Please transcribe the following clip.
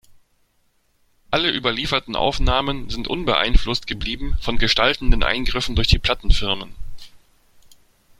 Alle überlieferten Aufnahmen sind unbeeinflusst geblieben von gestaltenden Eingriffen durch die Plattenfirmen.